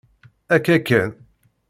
Akka kan!